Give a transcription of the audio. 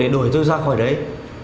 để đổi tôi ra khỏi đấy